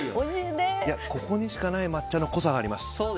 ここにしかない抹茶の濃さがあります。